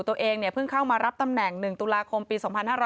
ตัวเองเพิ่งเข้ามารับตำแหน่ง๑ตุลาคมปี๒๕๕๙